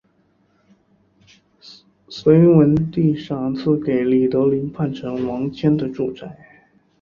隋文帝赏赐给李德林叛臣王谦的住宅。